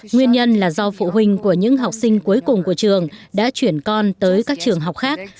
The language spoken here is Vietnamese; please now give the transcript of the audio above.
nguyên nhân là do phụ huynh của những học sinh cuối cùng của trường đã chuyển con tới các trường học khác